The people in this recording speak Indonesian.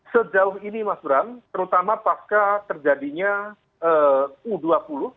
sejauh ini mas bram terutama pasca terjadinya u dua puluh